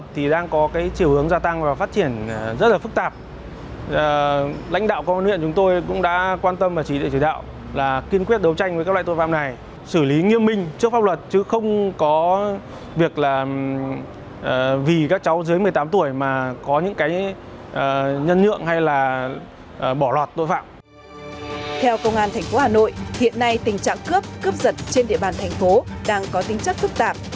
theo công an thành phố hà nội hiện nay tình trạng cướp cướp giật trên địa bàn thành phố đang có tính chất phức tạp